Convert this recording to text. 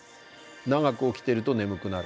長く起きてると眠くなる。